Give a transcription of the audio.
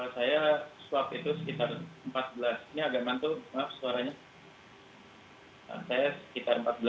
saya waktu itu sekitar empat belas ini agak mantul maaf suaranya